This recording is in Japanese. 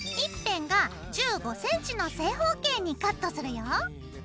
１辺が１５ｃｍの正方形にカットするよ。